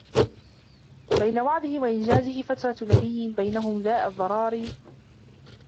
بين وعده وإنجازه فترة نبي بينهم داء الضرائر ت